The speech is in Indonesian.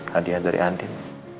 hadiah dari adin